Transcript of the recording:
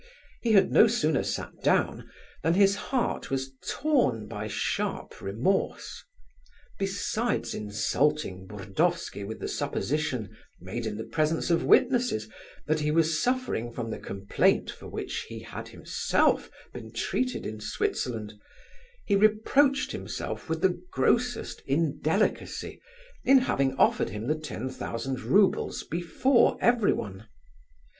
He had no sooner sat down than his heart was torn by sharp remorse. Besides insulting Burdovsky with the supposition, made in the presence of witnesses, that he was suffering from the complaint for which he had himself been treated in Switzerland, he reproached himself with the grossest indelicacy in having offered him the ten thousand roubles before everyone.